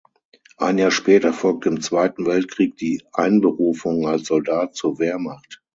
Ein Jahr später folgte im Zweiten Weltkrieg die Einberufung als Soldat zur Wehrmacht.